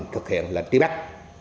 thực hiện lệnh bắt